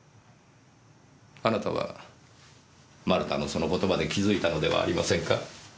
あなたは丸田のその言葉で気づいたのではありませんか？